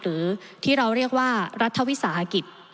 หรือที่เราเรียกว่ารัฐวิสาหกิจ